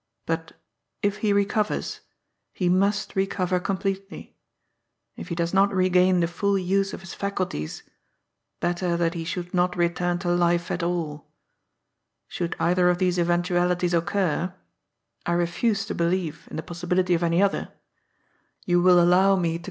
But, if he recovers, he must re cover completely. If he does not regain the full use of his faculties, better that he should not return to life at all. Should either of these eventualities occur — I refuse to be lieve in the possibility of any other — ^you will allow me to ALTOGETHER COMFORTABLE.